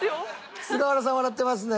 菅原さん笑ってますね。